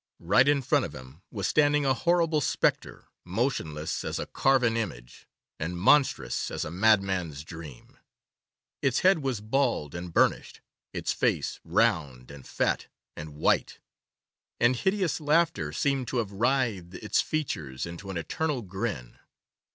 Right in front of him was standing a horrible spectre, motionless as a carven image, and monstrous as a madman's dream! Its head was bald and burnished; its face round, and fat, and white; and hideous laughter seemed to have writhed its features into an eternal grin.